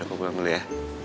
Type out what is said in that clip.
ya udah ke pulang dulu ya